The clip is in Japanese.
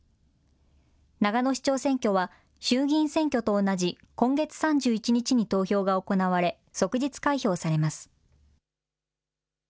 長野市長選挙は、衆議院選挙と同じ今月３１日に投票が行われ、即日開票されます。